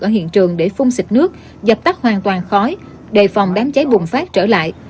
ở hiện trường để phun xịt nước dập tắt hoàn toàn khói đề phòng đám cháy bùng phát trở lại